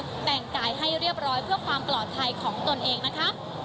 แต่งกายให้เรียบร้อยเพื่อความปลอดภัยของตนเองนะคะ